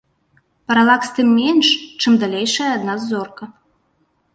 Паралакс тым меншы, чым далейшая ад нас зорка.